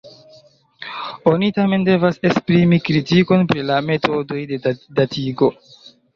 Oni, tamen, devas esprimi kritikon pri la metodoj de datigo.